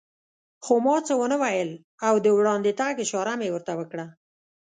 خو ما څه و نه ویل او د وړاندې تګ اشاره مې ورته وکړه.